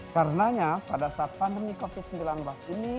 karenanya pada saat pandemi covid sembilan belas ini